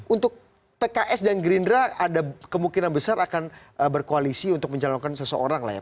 untuk pks dan gerindra ada kemungkinan besar akan berkoalisi untuk mencalonkan seseorang lah ya